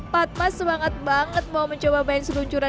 patma semangat banget mau mencoba main seluncuran